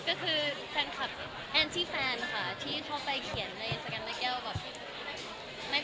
ก็คือแฟนคลับแอนติแฟนค่ะที่เขาไปเขียนในสกันณเก้าแบบ